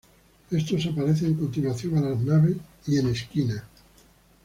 Estos aparecen en continuación a las naves y en esquina.